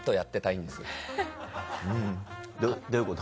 うんどういうこと？